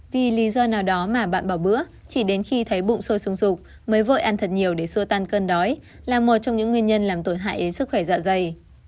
vì lý do nào đó mà bạn bỏ bữa chỉ đến khi thấy bụng sôi sụp mới vội ăn thật nhiều để xua tan cơn đói là một trong những nguyên nhân làm tổn hại đến sức khỏe dạ dày